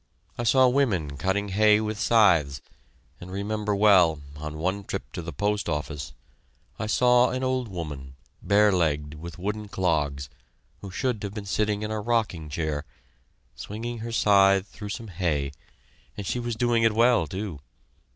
I saw women cutting hay with scythes, and remember well, on one trip to the post office, I saw an old woman, bare legged, with wooden clogs, who should have been sitting in a rocking chair, swinging her scythe through some hay, and she was doing it well, too.